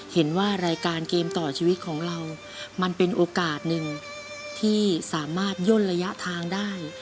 เห็นว่ารายการเกมต่อชีวิตของเรามันเป็นโอกาสหนึ่งที่สามารถย่นระยะทางได้